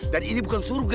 dan ini bukan surga